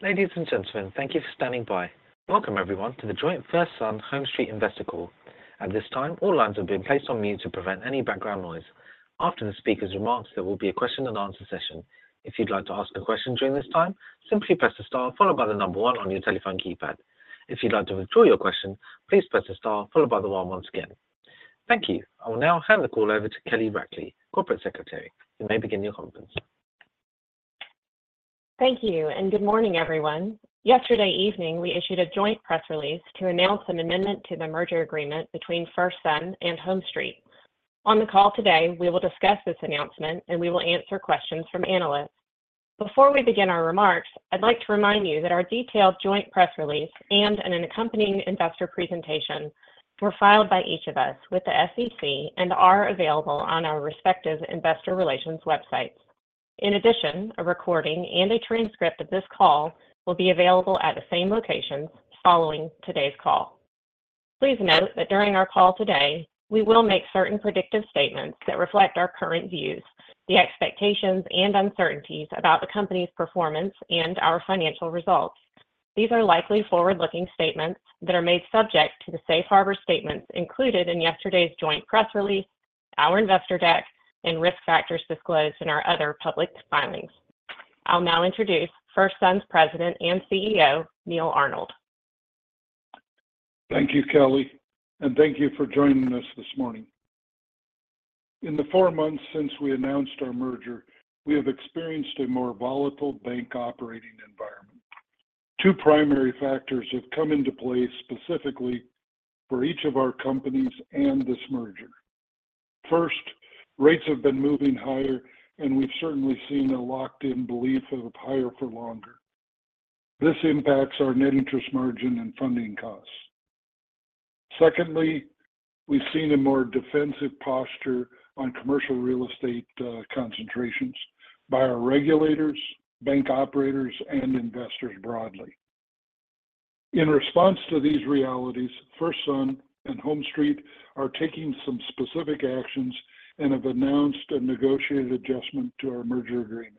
Ladies and gentlemen, thank you for standing by. Welcome everyone, to the joint FirstSun HomeStreet Investor Call. At this time, all lines have been placed on mute to prevent any background noise. After the speaker's remarks, there will be a question and answer session. If you'd like to ask a question during this time, simply press the star followed by the number one on your telephone keypad. If you'd like to withdraw your question, please press the star followed by the one once again. Thank you. I will now hand the call over to Kelly Rackley, Corporate Secretary. You may begin your conference. Thank you, and good morning, everyone. Yesterday evening, we issued a joint press release to announce an amendment to the merger agreement between FirstSun and HomeStreet. On the call today, we will discuss this announcement, and we will answer questions from analysts. Before we begin our remarks, I'd like to remind you that our detailed joint press release and an accompanying investor presentation were filed by each of us with the SEC and are available on our respective investor relations websites. In addition, a recording and a transcript of this call will be available at the same locations following today's call. Please note that during our call today, we will make certain predictive statements that reflect our current views, the expectations and uncertainties about the company's performance, and our financial results. These are likely forward-looking statements that are made subject to the safe harbor statements included in yesterday's joint press release, our investor deck, and risk factors disclosed in our other public filings. I'll now introduce FirstSun's President and CEO, Neal Arnold. Thank you, Kelly, and thank you for joining us this morning. In the four months since we announced our merger, we have experienced a more volatile bank operating environment. Two primary factors have come into play specifically for each of our companies and this merger. First, rates have been moving higher, and we've certainly seen a locked-in belief of higher for longer. This impacts our net interest margin and funding costs. Secondly, we've seen a more defensive posture on commercial real estate concentrations by our regulators, bank operators, and investors broadly. In response to these realities, FirstSun and HomeStreet are taking some specific actions and have announced a negotiated adjustment to our merger agreement.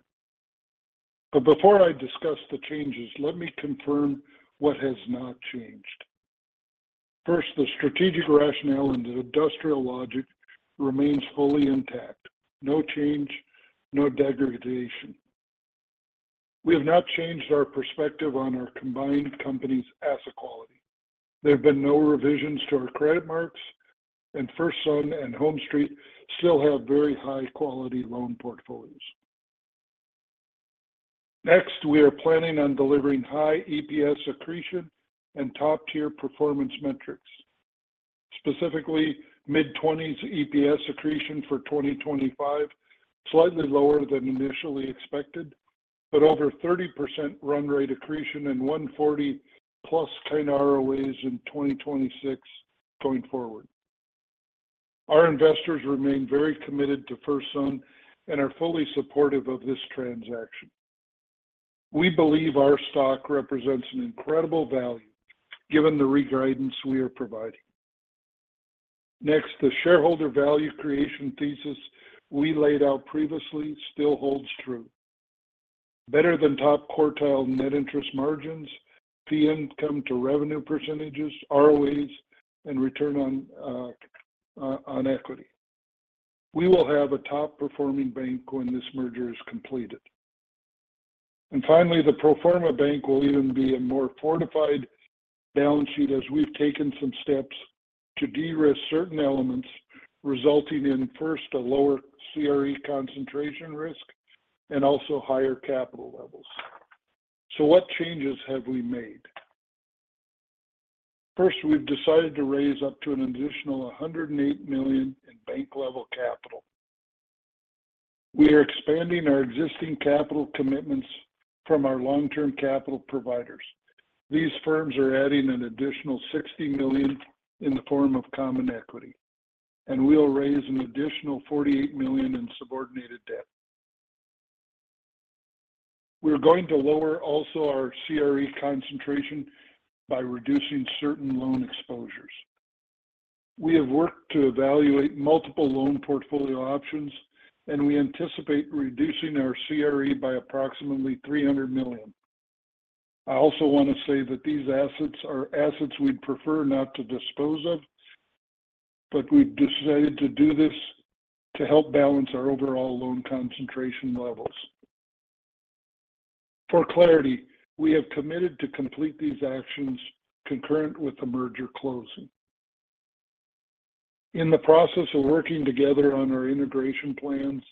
But before I discuss the changes, let me confirm what has not changed. First, the strategic rationale and the industrial logic remains fully intact. No change, no degradation. We have not changed our perspective on our combined company's asset quality. There have been no revisions to our credit marks, and FirstSun and HomeStreet still have very high-quality loan portfolios. Next, we are planning on delivering high EPS accretion and top-tier performance metrics. Specifically, mid-20s EPS accretion for 2025, slightly lower than initially expected, but over 30% run rate accretion and 1.40+% ROAs in 2026 going forward. Our investors remain very committed to FirstSun and are fully supportive of this transaction. We believe our stock represents an incredible value given the re-guidance we are providing. Next, the shareholder value creation thesis we laid out previously still holds true. Better than top-quartile net interest margins, income to revenue percentages, ROAs, and return on equity. We will have a top-performing bank when this merger is completed. Finally, the pro forma bank will even be a more fortified balance sheet as we've taken some steps to de-risk certain elements, resulting in first, a lower CRE concentration risk and also higher capital levels. So what changes have we made? First, we've decided to raise up to an additional $108 million in bank-level capital. We are expanding our existing capital commitments from our long-term capital providers. These firms are adding an additional $60 million in the form of common equity, and we'll raise an additional $48 million in subordinated debt. We're going to lower also our CRE concentration by reducing certain loan exposures. We have worked to evaluate multiple loan portfolio options, and we anticipate reducing our CRE by approximately $300 million. I also want to say that these assets are assets we'd prefer not to dispose of, but we've decided to do this to help balance our overall loan concentration levels. For clarity, we have committed to complete these actions concurrent with the merger closing. In the process of working together on our integration plans,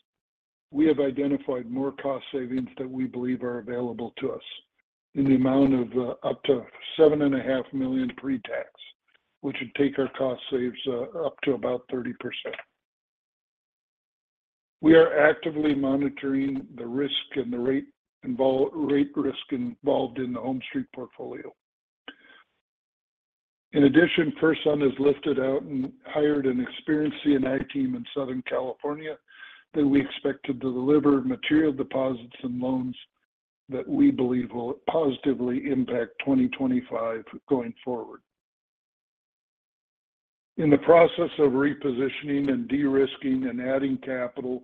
we have identified more cost savings that we believe are available to us in the amount of up to $7.5 million pre-tax, which would take our cost saves up to about 30%. We are actively monitoring the risk and the rate risk involved in the HomeStreet portfolio. In addition, FirstSun has lifted out and hired an experienced C&I team in Southern California that we expect to deliver material deposits and loans that we believe will positively impact 2025 going forward. In the process of repositioning and de-risking and adding capital,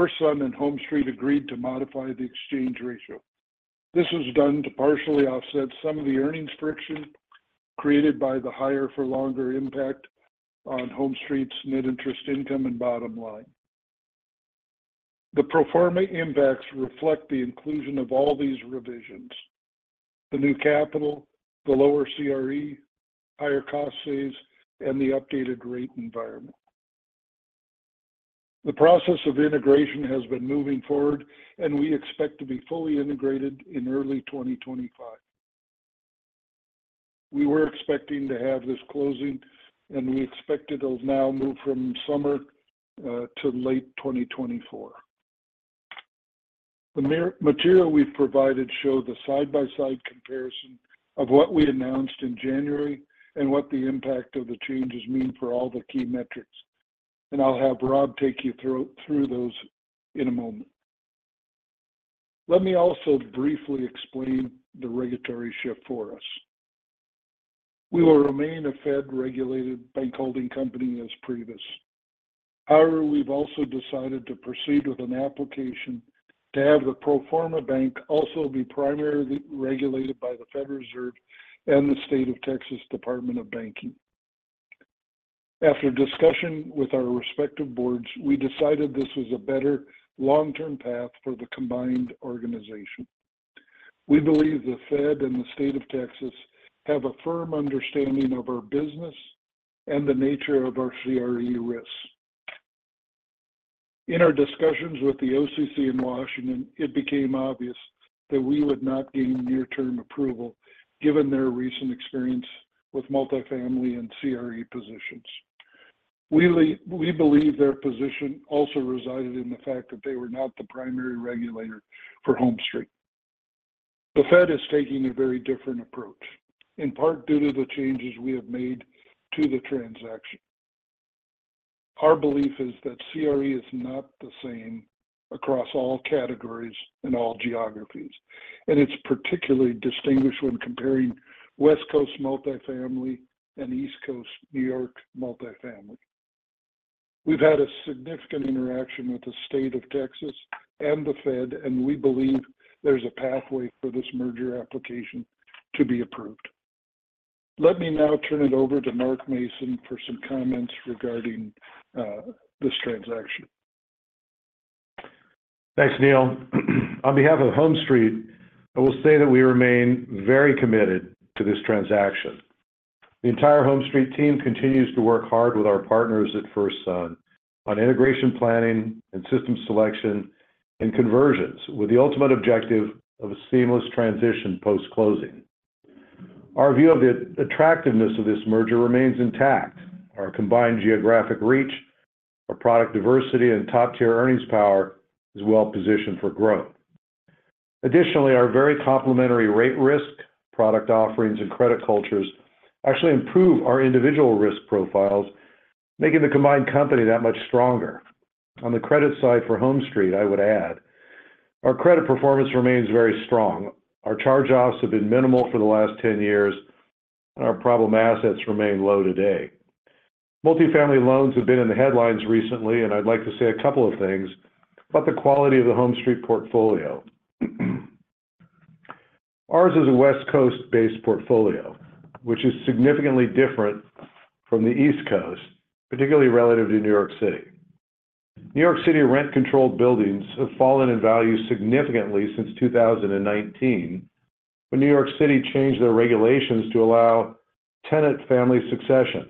FirstSun and HomeStreet agreed to modify the exchange ratio. This was done to partially offset some of the earnings friction created by the higher for longer impact on HomeStreet's net interest income and bottom line. The pro forma impacts reflect the inclusion of all these revisions: the new capital, the lower CRE, higher cost saves, and the updated rate environment. The process of integration has been moving forward, and we expect to be fully integrated in early 2025. We were expecting to have this closing, and we expect it'll now move from summer to late 2024. The material we've provided show the side-by-side comparison of what we announced in January and what the impact of the changes mean for all the key metrics. I'll have Rob take you through those in a moment. Let me also briefly explain the regulatory shift for us. We will remain a Fed-regulated bank holding company as previous. However, we've also decided to proceed with an application to have the pro forma bank also be primarily regulated by the Federal Reserve and the State of Texas Department of Banking. After discussion with our respective boards, we decided this was a better long-term path for the combined organization. We believe the Fed and the State of Texas have a firm understanding of our business and the nature of our CRE risks. In our discussions with the OCC in Washington, it became obvious that we would not gain near-term approval given their recent experience with multifamily and CRE positions. We believe their position also resided in the fact that they were not the primary regulator for HomeStreet. The Fed is taking a very different approach, in part due to the changes we have made to the transaction. Our belief is that CRE is not the same across all categories and all geographies, and it's particularly distinguished when comparing West Coast multifamily and East Coast, New York multifamily. We've had a significant interaction with the State of Texas and the Fed, and we believe there's a pathway for this merger application to be approved. Let me now turn it over to Mark Mason for some comments regarding this transaction. Thanks, Neal. On behalf of HomeStreet, I will say that we remain very committed to this transaction. The entire HomeStreet team continues to work hard with our partners at FirstSun on integration planning and system selection and conversions, with the ultimate objective of a seamless transition post-closing. Our view of the attractiveness of this merger remains intact. Our combined geographic reach, our product diversity, and top-tier earnings power is well positioned for growth. Additionally, our very complementary rate risk, product offerings, and credit cultures actually improve our individual risk profiles, making the combined company that much stronger. On the credit side for HomeStreet, I would add, our credit performance remains very strong. Our charge-offs have been minimal for the last 10 years, and our problem assets remain low today. Multifamily loans have been in the headlines recently, and I'd like to say a couple of things about the quality of the HomeStreet portfolio. Ours is a West Coast-based portfolio, which is significantly different from the East Coast, particularly relative to New York City. New York City rent-controlled buildings have fallen in value significantly since 2019, when New York City changed their regulations to allow tenant family succession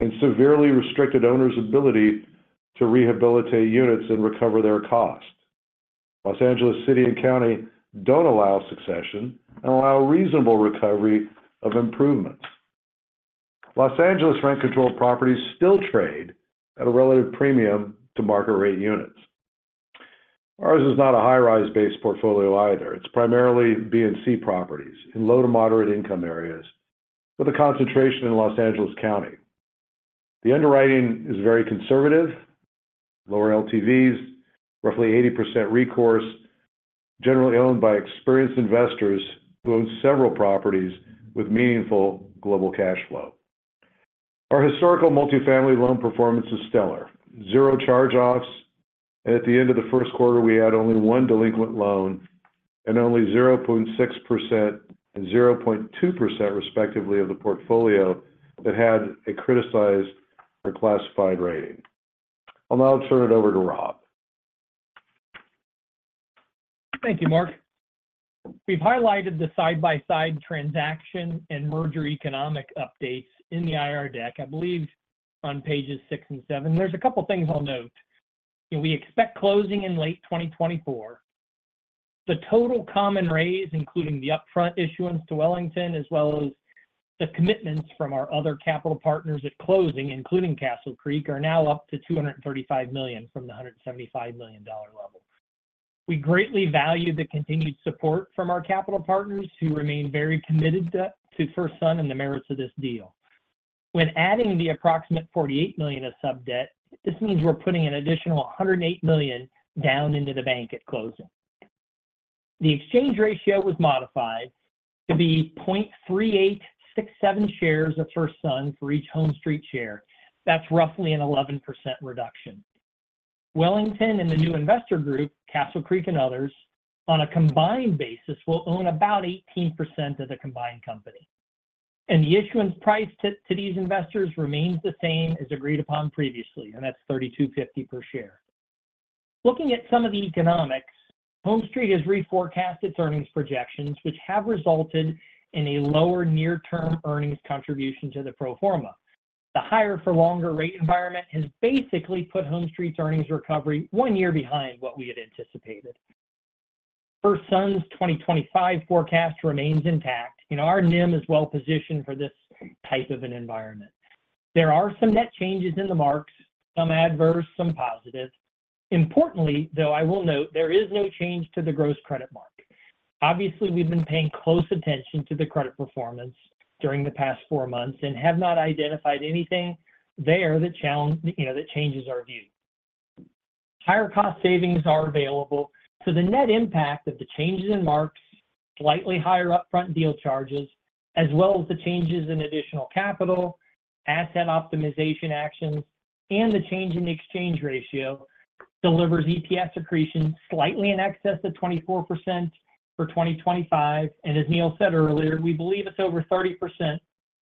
and severely restricted owners' ability to rehabilitate units and recover their costs. Los Angeles City and County don't allow succession and allow reasonable recovery of improvements. Los Angeles rent-controlled properties still trade at a relative premium to market-rate units. Ours is not a high-rise-based portfolio either. It's primarily B and C properties in low to moderate income areas, with a concentration in Los Angeles County. The underwriting is very conservative, lower LTVs, roughly 80% recourse, generally owned by experienced investors who own several properties with meaningful global cash flow. Our historical multifamily loan performance is stellar. Zero charge-offs, and at the end of the first quarter, we had only one delinquent loan and only 0.6% and 0.2%, respectively, of the portfolio that had a criticized or classified rating. I'll now turn it over to Rob. Thank you, Mark. We've highlighted the side-by-side transaction and merger economic updates in the IR deck, I believe on pages 6 and 7. There's a couple of things I'll note. We expect closing in late 2024. The total common raise, including the upfront issuance to Wellington, as well as the commitments from our other capital partners at closing, including Castle Creek, are now up to $235 million from the $175 million level. We greatly value the continued support from our capital partners, who remain very committed to FirstSun and the merits of this deal. When adding the approximate $48 million of sub-debt, this means we're putting an additional $108 million down into the bank at closing.... The exchange ratio was modified to be 0.3867 shares of FirstSun for each HomeStreet share. That's roughly an 11% reduction. Wellington and the new investor group, Castle Creek and others, on a combined basis, will own about 18% of the combined company. And the issuance price to, to these investors remains the same as agreed upon previously, and that's $32.50 per share. Looking at some of the economics, HomeStreet has reforecast its earnings projections, which have resulted in a lower near-term earnings contribution to the pro forma. The higher for longer rate environment has basically put HomeStreet's earnings recovery one year behind what we had anticipated. FirstSun's 2025 forecast remains intact. You know, our NIM is well positioned for this type of an environment. There are some net changes in the marks, some adverse, some positive. Importantly, though, I will note there is no change to the gross credit mark. Obviously, we've been paying close attention to the credit performance during the past 4 months and have not identified anything there that—you know, that changes our view. Higher cost savings are available, so the net impact of the changes in marks, slightly higher upfront deal charges, as well as the changes in additional capital, asset optimization actions, and the change in the exchange ratio, delivers EPS accretion slightly in excess of 24% for 2025. And as Neal said earlier, we believe it's over 30%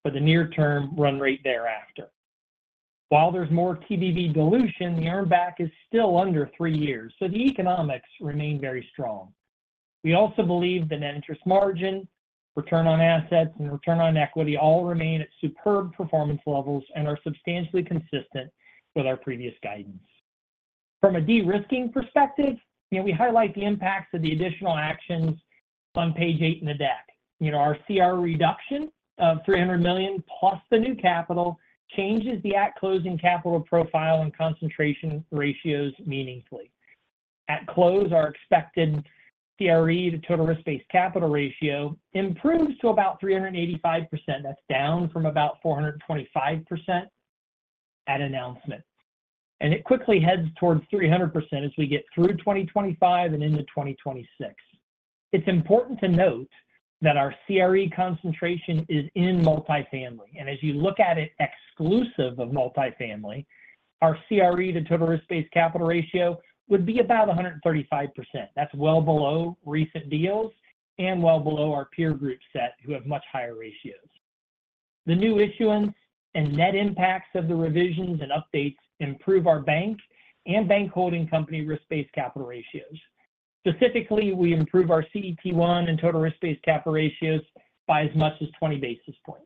for the near term run rate thereafter. While there's more TBV dilution, the earnback is still under 3 years, so the economics remain very strong. We also believe that interest margin, return on assets, and return on equity all remain at superb performance levels and are substantially consistent with our previous guidance. From a de-risking perspective, you know, we highlight the impacts of the additional actions on page 8 in the deck. You know, our CRE reduction of $300 million+ the new capital changes the at closing capital profile and concentration ratios meaningfully. At close, our expected CRE to total risk-based capital ratio improves to about 385%. That's down from about 425% at announcement. And it quickly heads towards 300% as we get through 2025 and into 2026. It's important to note that our CRE concentration is in multifamily, and as you look at it exclusive of multifamily, our CRE to total risk-based capital ratio would be about 135%. That's well below recent deals and well below our peer group set, who have much higher ratios. The new issuance and net impacts of the revisions and updates improve our bank and bank holding company risk-based capital ratios. Specifically, we improve our CET1 and total risk-based capital ratios by as much as 20 basis points.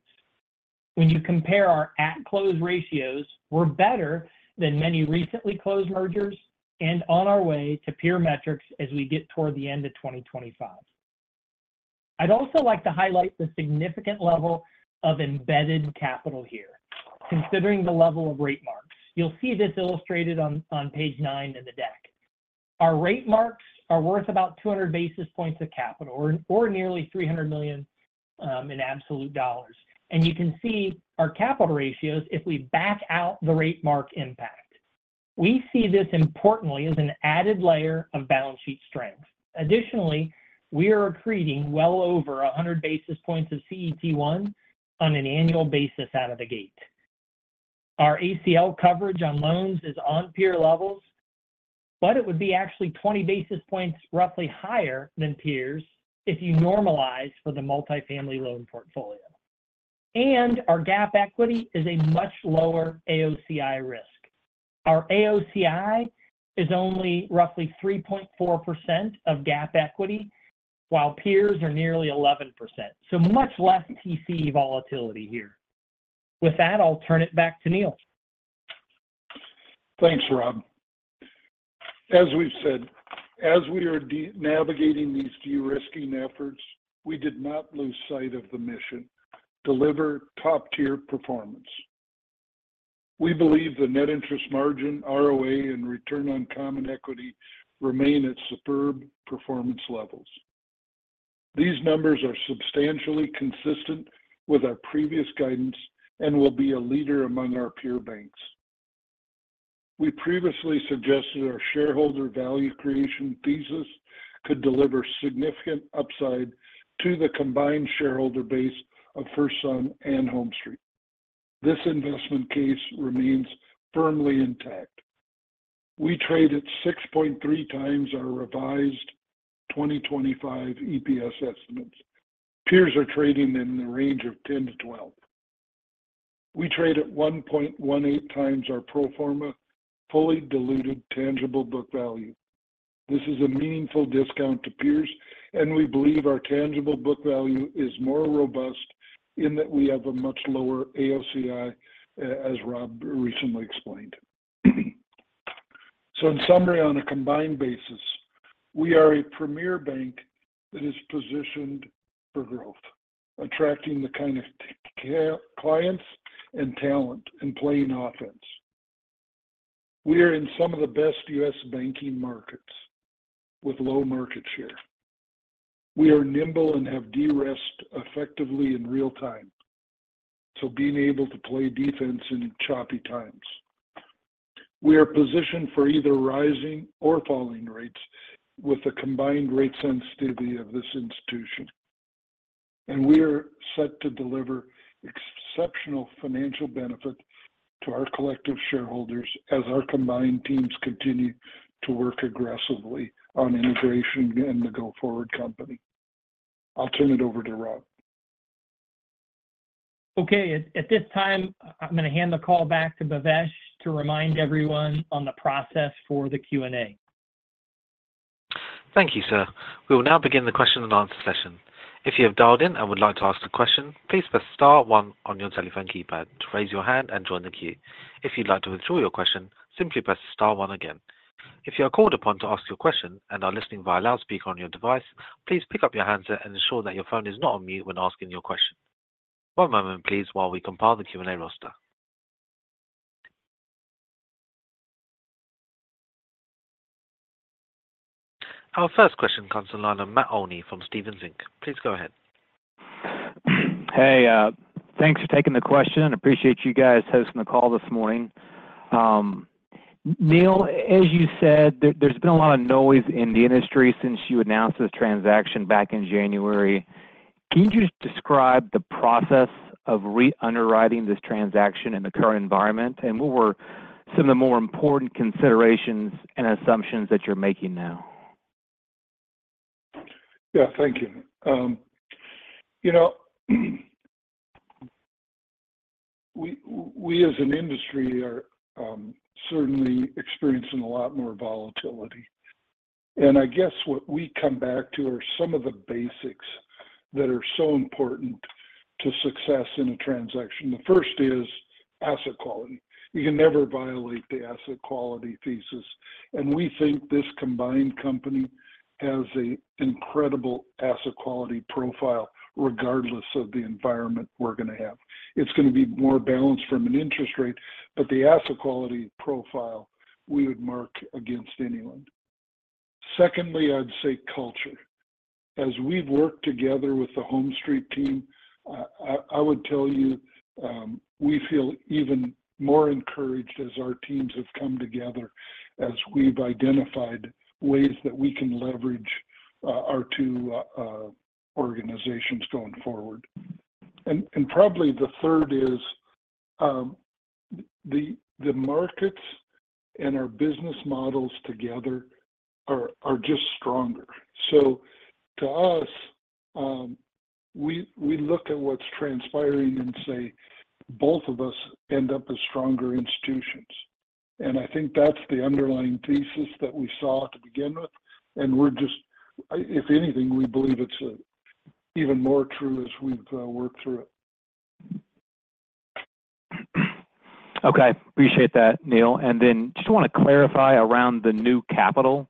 When you compare our at-close ratios, we're better than many recently closed mergers and on our way to peer metrics as we get toward the end of 2025. I'd also like to highlight the significant level of embedded capital here, considering the level of rate marks. You'll see this illustrated on page 9 in the deck. Our rate marks are worth about 200 basis points of capital or nearly $300 million in absolute dollars. And you can see our capital ratios if we back out the rate mark impact. We see this importantly as an added layer of balance sheet strength. Additionally, we are accreting well over 100 basis points of CET1 on an annual basis out of the gate. Our ACL coverage on loans is on peer levels, but it would be actually 20 basis points roughly higher than peers if you normalize for the multifamily loan portfolio. Our GAAP equity is a much lower AOCI risk. Our AOCI is only roughly 3.4% of GAAP equity, while peers are nearly 11%. So much less TCE volatility here. With that, I'll turn it back to Neal. Thanks, Rob. As we've said, as we are navigating these de-risking efforts, we did not lose sight of the mission: deliver top-tier performance. We believe the net interest margin, ROA, and return on common equity remain at superb performance levels. These numbers are substantially consistent with our previous guidance and will be a leader among our peer banks. We previously suggested our shareholder value creation thesis could deliver significant upside to the combined shareholder base of FirstSun and HomeStreet. This investment case remains firmly intact. We trade at 6.3x our revised 2025 EPS estimates. Peers are trading in the range of 10-12. We trade at 1.18x our pro forma, fully diluted tangible book value. This is a meaningful discount to peers, and we believe our tangible book value is more robust in that we have a much lower AOCI, as Rob recently explained. So in summary, on a combined basis, we are a premier bank that is positioned for growth, attracting the kind of clients and talent and playing offense. We are in some of the best U.S. banking markets with low market share. We are nimble and have de-risked effectively in real time, so being able to play defense in choppy times.... We are positioned for either rising or falling rates with the combined rate sensitivity of this institution. And we are set to deliver exceptional financial benefit to our collective shareholders as our combined teams continue to work aggressively on integration and the go-forward company. I'll turn it over to Rob. Okay. At this time, I'm going to hand the call back to Bhavesh to remind everyone on the process for the Q&A. Thank you, sir. We will now begin the question and answer session. If you have dialed in and would like to ask a question, please press star one on your telephone keypad to raise your hand and join the queue. If you'd like to withdraw your question, simply press star one again. If you are called upon to ask your question and are listening via loudspeaker on your device, please pick up your handset and ensure that your phone is not on mute when asking your question. One moment, please, while we compile the Q&A roster. Our first question comes on the line of Matt Olney from Stephens Inc. Please go ahead. Hey, thanks for taking the question, and appreciate you guys hosting the call this morning. Neal, as you said, there's been a lot of noise in the industry since you announced this transaction back in January. Can you just describe the process of re-underwriting this transaction in the current environment? And what were some of the more important considerations and assumptions that you're making now? Yeah, thank you. You know, we as an industry are certainly experiencing a lot more volatility. And I guess what we come back to are some of the basics that are so important to success in a transaction. The first is asset quality. You can never violate the asset quality thesis, and we think this combined company has an incredible asset quality profile, regardless of the environment we're going to have. It's going to be more balanced from an interest rate, but the asset quality profile, we would mark against anyone. Secondly, I'd say culture. As we've worked together with the HomeStreet team, I would tell you, we feel even more encouraged as our teams have come together, as we've identified ways that we can leverage our two organizations going forward. Probably the third is, the markets and our business models together are just stronger. So to us, we look at what's transpiring and say both of us end up as stronger institutions. And I think that's the underlying thesis that we saw to begin with, and we're just, if anything, we believe it's even more true as we've worked through it. Okay. Appreciate that, Neal. And then just want to clarify around the new capital.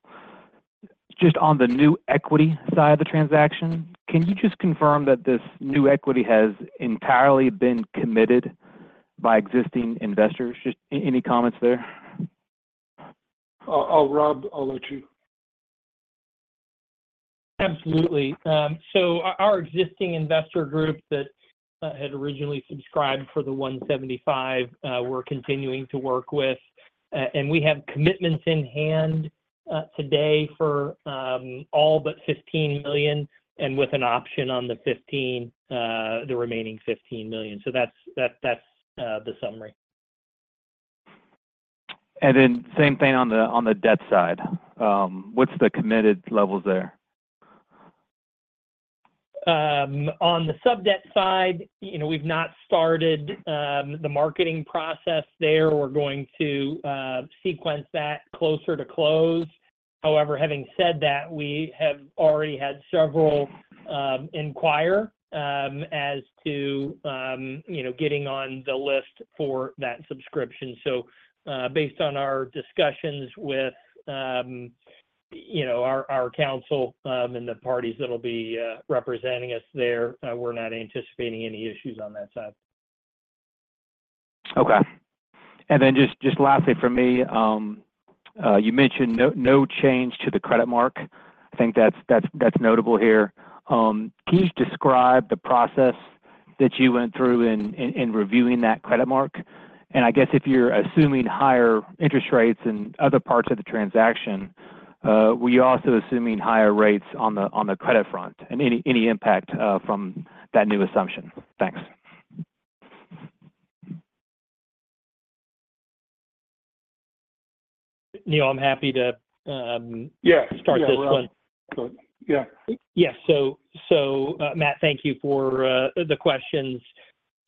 Just on the new equity side of the transaction, can you just confirm that this new equity has entirely been committed by existing investors? Just any comments there? Rob, I'll let you. Absolutely. So our existing investor group that had originally subscribed for the $175 million, we're continuing to work with. And we have commitments in hand today for all but $15 million, and with an option on the $15 million, the remaining $15 million. So that's the summary. And then same thing on the, on the debt side. What's the committed levels there? On the sub-debt side, you know, we've not started the marketing process there. We're going to sequence that closer to close. However, having said that, we have already had several inquiries as to you know, getting on the list for that subscription. So, based on our discussions with you know, our counsel and the parties that'll be representing us there, we're not anticipating any issues on that side. Okay. And then just lastly from me, you mentioned no change to the credit mark. I think that's notable here. Can you describe the process that you went through in reviewing that credit mark? And I guess if you're assuming higher interest rates in other parts of the transaction, were you also assuming higher rates on the credit front, and any impact from that new assumption? Thanks. Neal, I'm happy to. Yeah... start this one. Good. Yeah. Yes. So, Matt, thank you for the questions.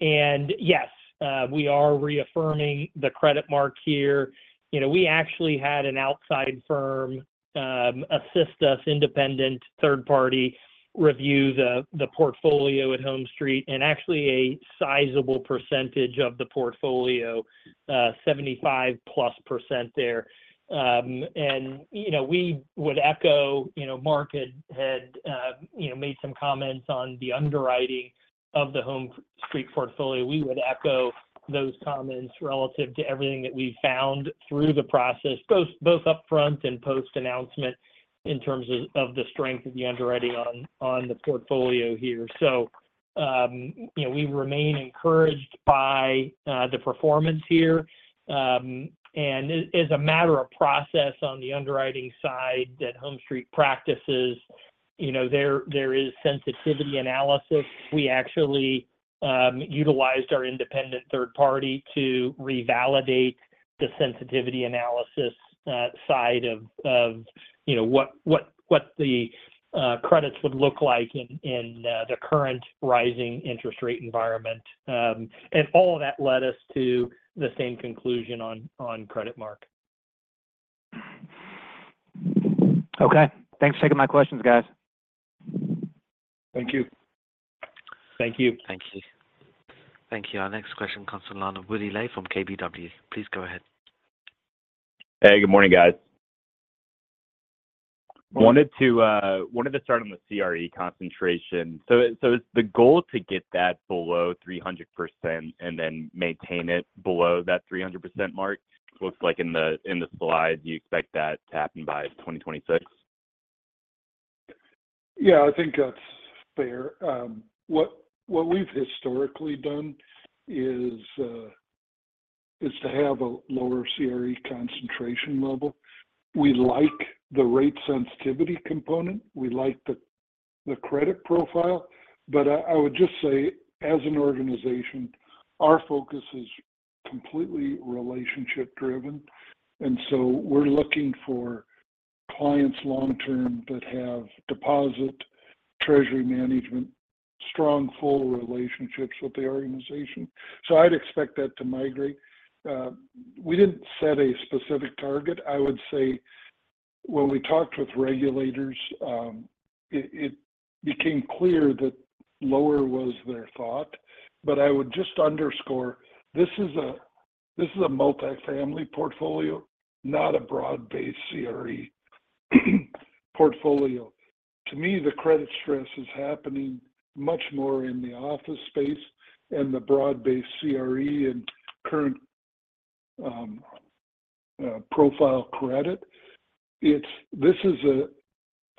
And yes, we are reaffirming the credit mark here. You know, we actually had an outside firm assist us, independent third party, review the portfolio at HomeStreet, and actually a sizable percentage of the portfolio, 75%+ there. And, you know, we would echo, you know, Mark had you know, made some comments on the underwriting of the HomeStreet portfolio. We would echo those comments relative to everything that we've found through the process, both upfront and post-announcement, in terms of the strength of the underwriting on the portfolio here. So, you know, we remain encouraged by the performance here. And as a matter of process on the underwriting side that HomeStreet practices, you know, there is sensitivity analysis. We actually-... Utilized our independent third party to revalidate the sensitivity analysis side of you know what the credits would look like in the current rising interest rate environment. And all of that led us to the same conclusion on credit mark. Okay, thanks for taking my questions, guys. Thank you. Thank you. Thank you. Thank you. Our next question comes from the line of Woody Lay from KBW. Please go ahead. Hey, good morning, guys. Wanted to start on the CRE concentration. So, is the goal to get that below 300% and then maintain it below that 300% mark? Looks like in the slide, you expect that to happen by 2026. Yeah, I think that's fair. What we've historically done is to have a lower CRE concentration level. We like the rate sensitivity component. We like the credit profile, but I would just say, as an organization, our focus is completely relationship driven, and so we're looking for clients long term that have deposit, treasury management, strong, full relationships with the organization. So I'd expect that to migrate. We didn't set a specific target. I would say when we talked with regulators, it became clear that lower was their thought. But I would just underscore, this is a multifamily portfolio, not a broad-based CRE portfolio. To me, the credit stress is happening much more in the office space and the broad-based CRE and current profile credit. It's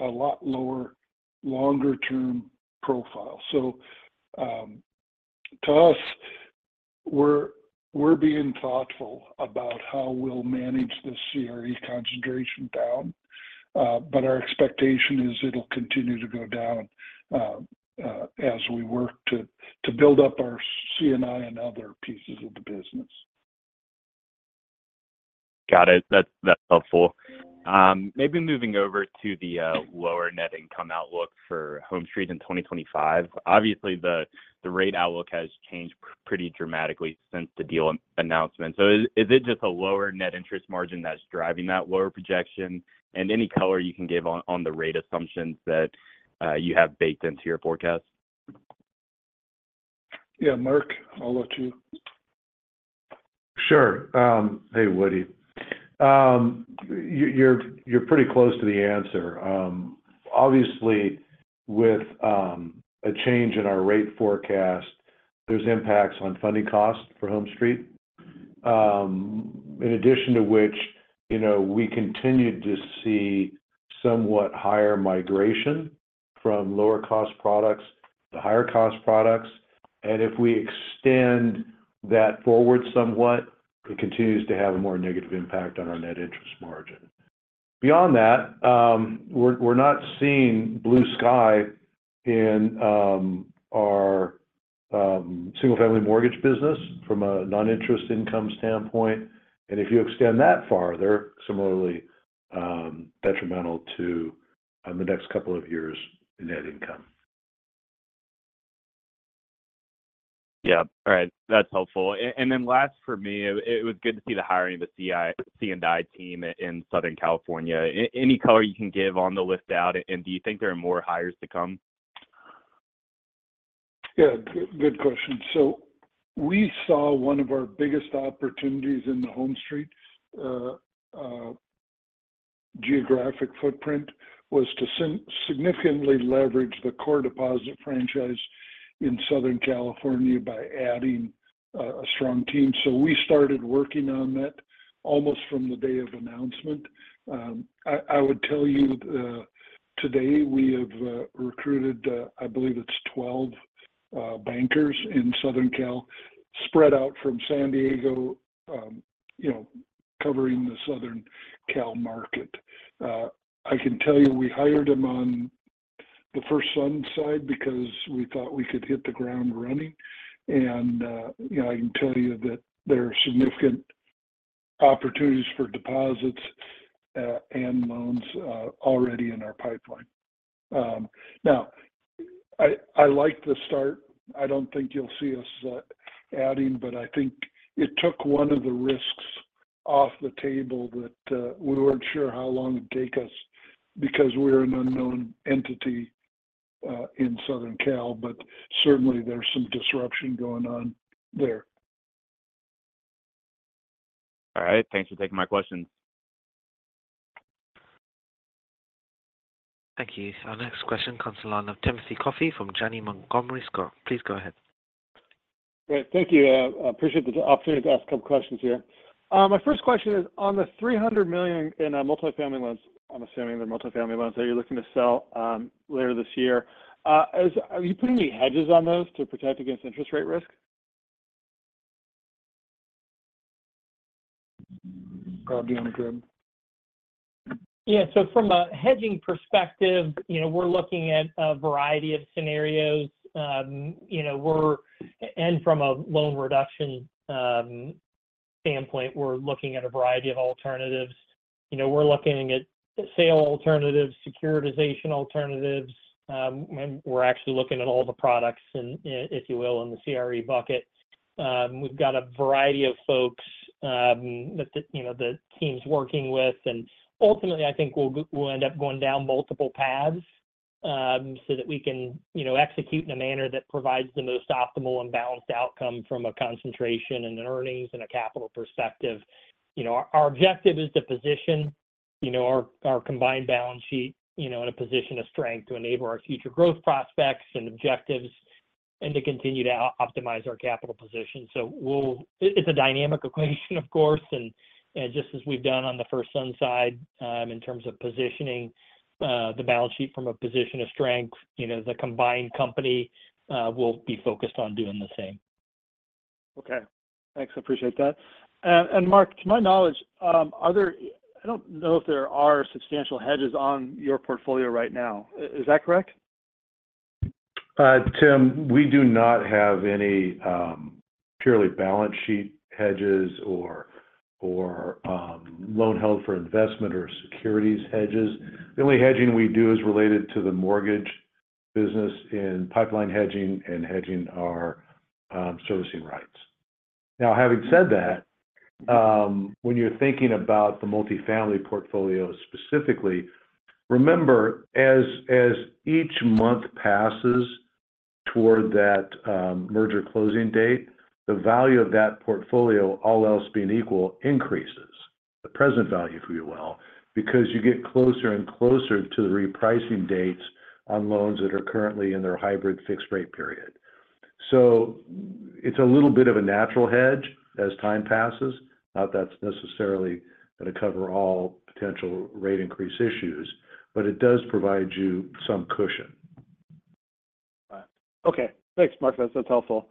a lot lower, longer term profile. To us, we're being thoughtful about how we'll manage the CRE concentration down, but our expectation is it'll continue to go down, as we work to build up our C&I and other pieces of the business. Got it. That's, that's helpful. Maybe moving over to the lower net income outlook for HomeStreet in 2025. Obviously, the, the rate outlook has changed pretty dramatically since the deal announcement. So is, is it just a lower net interest margin that's driving that lower projection? And any color you can give on, on the rate assumptions that you have baked into your forecast. Yeah, Mark, I'll let you. Sure. Hey, Woody. You're pretty close to the answer. Obviously, with a change in our rate forecast, there's impacts on funding costs for HomeStreet. In addition to which, you know, we continued to see somewhat higher migration from lower cost products to higher cost products, and if we extend that forward somewhat, it continues to have a more negative impact on our net interest margin. Beyond that, we're not seeing blue sky in our single-family mortgage business from a non-interest income standpoint, and if you extend that farther, similarly, detrimental to on the next couple of years in net income. Yeah. All right. That's helpful. And then last for me, it was good to see the hiring of the C&I team in Southern California. Any color you can give on the pipeline, and do you think there are more hires to come? Yeah, good, good question. So we saw one of our biggest opportunities in the HomeStreet geographic footprint was to significantly leverage the core deposit franchise in Southern California by adding a strong team. So we started working on that almost from the day of announcement. I would tell you today we have recruited, I believe it's 12 bankers in Southern Cal, spread out from San Diego, you know, covering the Southern Cal market. I can tell you, we hired them on the FirstSun side because we thought we could hit the ground running, and, you know, I can tell you that there are significant opportunities for deposits and loans already in our pipeline. Now, I like the start. I don't think you'll see us adding, but I think it took one of the risks off the table that we weren't sure how long it take us because we're an unknown entity in Southern Cal. But certainly there's some disruption going on there. All right. Thanks for taking my questions. Thank you. Our next question comes to line of Timothy Coffey from Janney Montgomery Scott. Please go ahead. Great. Thank you. I appreciate the opportunity to ask a couple questions here. My first question is on the $300 million in multifamily loans, I'm assuming they're multifamily loans, that you're looking to sell later this year. Are you putting any hedges on those to protect against interest rate risk? Go ahead, be on the group. Yeah, so from a hedging perspective, you know, we're looking at a variety of scenarios. You know, we're. And from a loan reduction standpoint, we're looking at a variety of alternatives. You know, we're looking at sale alternatives, securitization alternatives, and we're actually looking at all the products and, if you will, in the CRE bucket. We've got a variety of folks that the, you know, the team's working with, and ultimately, I think we'll end up going down multiple paths, so that we can, you know, execute in a manner that provides the most optimal and balanced outcome from a concentration in the earnings and a capital perspective. You know, our objective is to position, you know, our combined balance sheet, you know, in a position of strength to enable our future growth prospects and objectives, and to continue to optimize our capital position. So it's a dynamic equation, of course, and just as we've done on the FirstSun side, in terms of positioning, the balance sheet from a position of strength, you know, the combined company will be focused on doing the same. Okay. Thanks. I appreciate that. Mark, to my knowledge, I don't know if there are substantial hedges on your portfolio right now. Is that correct? Tim, we do not have any purely balance sheet hedges or loan held for investment or securities hedges. The only hedging we do is related to the mortgage business in pipeline hedging and hedging our servicing rights. Now, having said that, when you're thinking about the multifamily portfolio specifically, remember, as each month passes toward that merger closing date, the value of that portfolio, all else being equal, increases. The present value, if you will, because you get closer and closer to the repricing dates on loans that are currently in their hybrid fixed rate period. So it's a little bit of a natural hedge as time passes. But that's necessarily going to cover all potential rate increase issues, but it does provide you some cushion. Okay. Thanks, Mark. That's, that's helpful.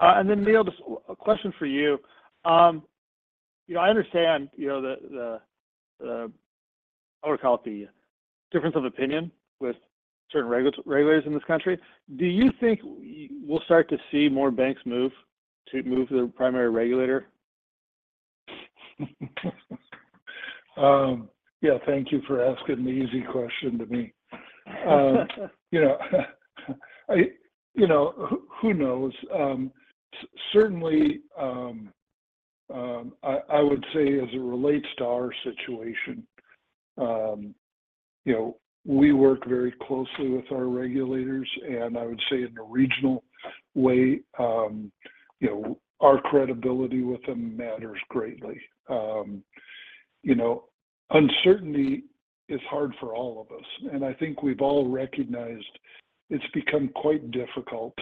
And then, Neal, just a question for you. You know, I understand, you know, the, I want to call it, the difference of opinion with certain regulators in this country. Do you think we'll start to see more banks move to the primary regulator? Yeah, thank you for asking the easy question to me. You know, who knows? Certainly, I would say as it relates to our situation, you know, we work very closely with our regulators, and I would say in a regional way, you know, our credibility with them matters greatly. You know, uncertainty is hard for all of us, and I think we've all recognized it's become quite difficult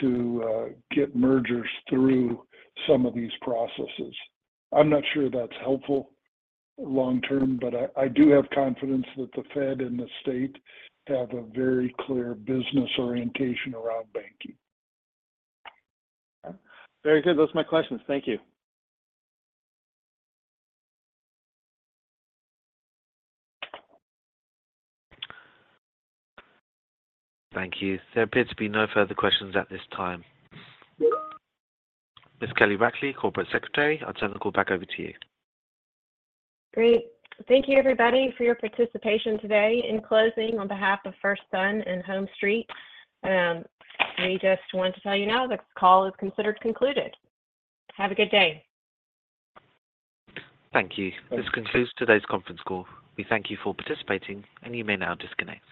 to get mergers through some of these processes. I'm not sure that's helpful long term, but I do have confidence that the Fed and the state have a very clear business orientation around banking. Very good. Those are my questions. Thank you. Thank you. There appears to be no further questions at this time. Miss Kelly Rackley, Corporate Secretary, I'll turn the call back over to you. Great. Thank you, everybody, for your participation today. In closing, on behalf of FirstSun and HomeStreet, we just want to tell you now this call is considered concluded. Have a good day. Thank you. This concludes today's conference call. We thank you for participating, and you may now disconnect.